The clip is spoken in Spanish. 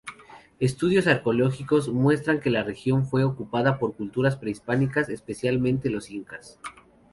Estudios arqueológicos muestran que la región fue ocupada por culturas prehispánicas, especialmente los Incas.